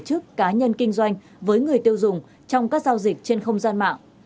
tổ chức cá nhân kinh doanh với người tiêu dùng trong các giao dịch trên không gian mạng